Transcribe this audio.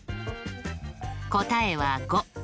答えは５。